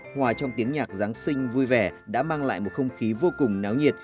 hòa trong tiếng nhạc giáng sinh vui vẻ đã mang lại một không khí vô cùng náo nhiệt